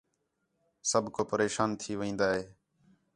سب کو پریشان تھی وین٘دا ہِے